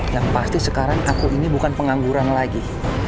yang pasti sekarang aku ini bukan pengangguran lagi